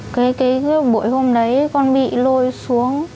cái buổi hôm đấy con bị lôi xuống